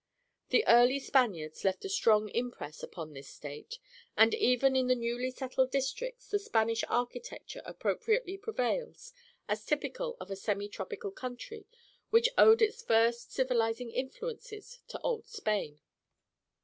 The early Spaniards left a strong impress upon this state, and even in the newly settled districts the Spanish architecture appropriately prevails, as typical of a semi tropical country which owed its first civilizing influences to old Spain.